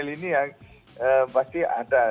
lini yang pasti ada